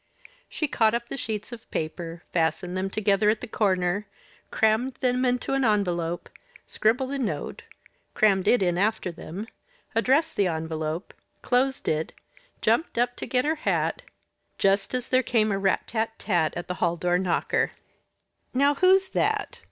She caught up the sheets of paper, fastened them together at the corner, crammed them into an envelope, scribbled a note, crammed it in after them, addressed the envelope, closed it, jumped up to get her hat, just as there came a rat tat tat at the hall door knocker. "Now, who's that?